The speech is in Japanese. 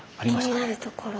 気になるところ？